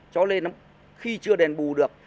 cho nên khi chưa đền bù được